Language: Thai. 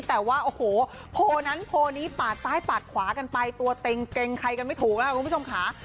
แต่ว่าโอ้โหโพลนั้นโพลนี้ปาดซ้ายปาดขวากันไปตัวเต็งเกรงใครกันไม่ถูกแล้วคุณผู้ชมค่ะ